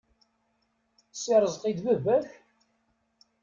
Si Rezqi d baba-k?